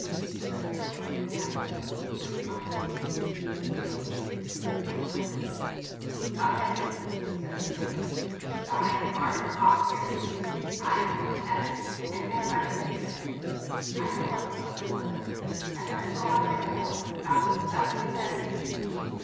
said the former inhabitant of the Canary Isles, continuing his dithyrambic. "Oh, yes," said the Parrot; "but I am far better off here. I am well fed, and get friendly treatment. I know I am a clever fellow; and that is all I care about. Come, let us be men.